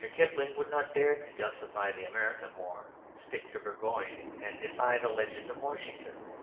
Kipling would not dare to justify the American War, stick to Burgoyne, and defy the legend of Washington.